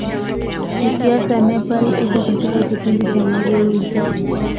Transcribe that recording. Kisiasa Nepal iko katika kipindi cha mageuzi.